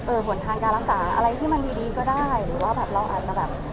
หนทางการรักษาอะไรที่มันดีดีก็ได้หรือว่าแบบเราอาจจะแบบ